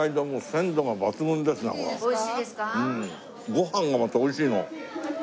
ご飯がまた美味しいな。